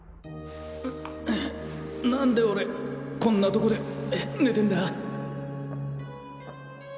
うっ何で俺こんなとこで寝てんだ？